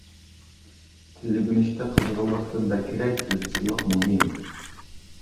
تىل ئۆگىنىشتە قىزغىنلىقتىن بەكرەك، ئىزچىللىق مۇھىم.